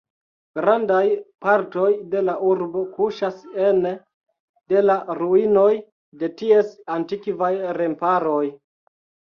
Grandaj partoj de la urbo kuŝas ene de la ruinoj de ties antikvaj remparoj.